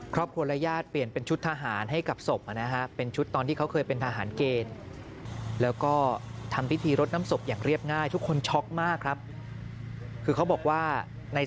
ครอบครัวและญาติเปลี่ยนเป็นชุดทหารให้กับศพนะฮะเป็นชุดตอนที่เขาเคยเป็นทหารเกณฑ์แล้วก็ทำพิธีรดน้ำศพอย่างเรียบง่ายทุกคนช็อกมากครับคือเขาบอกว่าใน